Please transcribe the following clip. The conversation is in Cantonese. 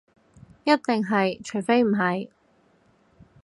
一定係，除非唔係